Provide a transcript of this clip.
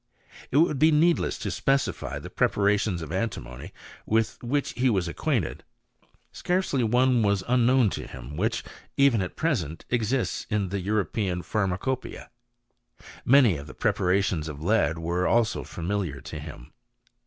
It would be needless to specify the preparations of antimony with which he was acquainted ; scarcely one was unknown to him which, even at present, exists in the European Pharmacopoeias. Many of the preparations of lead were also familiar to him.